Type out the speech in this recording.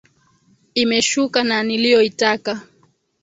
Imeshuka na niliyoitaka.